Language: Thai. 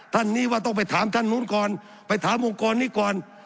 ท่านนี้ว่าต้องไปถามท่านนู้นก่อนไปถามองค์กรนี้ก่อน